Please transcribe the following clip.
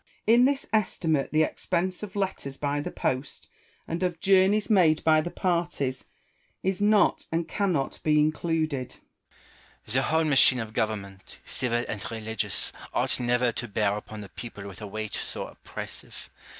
In this estimate the expense of letters by the post, and of journeys made by the parties, is not and cannot be included. Rousseau. The whole machine of government, ci\ il and 37 2 5 8 IMA GIN A R Y CON VERS A TIONS. religious, ought never to bear upon the people with a weight so oppressive.